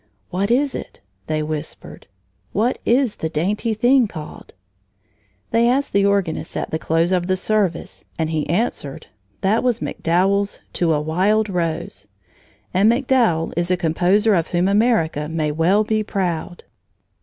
"What is it?" they whispered. "What is the dainty thing called?" They asked the organist at the close of the service, and he answered: "That was MacDowell's 'To a Wild Rose' and MacDowell is a composer of whom America may well be proud."